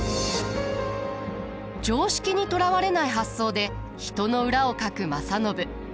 常識にとらわれない発想で人の裏をかく正信。